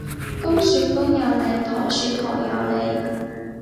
公說公有理，婆說婆有理